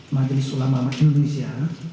majelis ulama indonesia